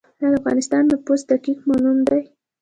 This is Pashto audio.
آیا د افغانستان نفوس دقیق معلوم دی؟